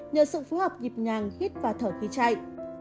nhờ sự phối hợp nhịp nhàng hít và thở khi chạy